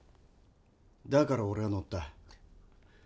だから俺は乗った。